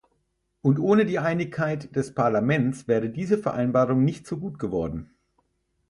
Und ohne die Einigkeit des Parlaments wäre diese Vereinbarung nicht so gut geworden.